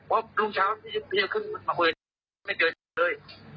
เพราะรุ่งเช้าพี่เคยขึ้นมาเมื่อไหร่ไม่เจออะไรเลย